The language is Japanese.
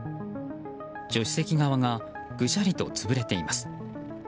助手席側がぐしゃりと潰れています。